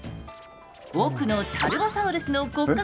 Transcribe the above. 奥のタルボサウルスの骨格